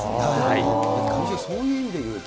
上重、そういう意味でいうと、